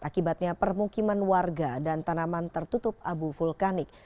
akibatnya permukiman warga dan tanaman tertutup abu vulkanik